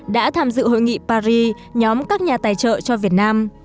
đã tham dự hội nghị paris nhóm các nhà tài trợ cho việt nam